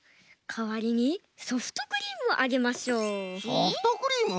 ソフトクリーム？